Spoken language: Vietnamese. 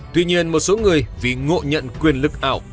tuy nhiên một số người vì ngộ nhận quyền lực ảo